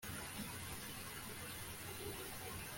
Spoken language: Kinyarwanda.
nizere ko uzanyemerera gukora ibi, nyamuneka guma guma